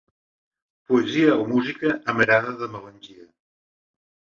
Poesia o música amarada de melangia.